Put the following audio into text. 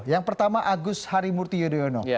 yang pertama agus harimurti yudhoyono